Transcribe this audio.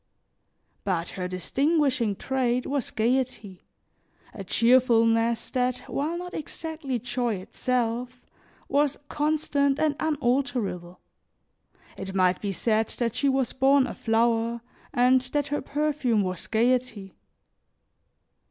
But her distinguishing trait was gaiety, a cheerfulness that, while not exactly joy itself, was constant and unalterable; it might be said that she was born a flower, and that her perfume was gaiety.